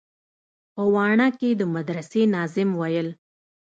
په واڼه کښې د مدرسې ناظم ويل.